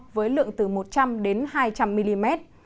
với lượng từ một trăm linh đến hai trăm linh mm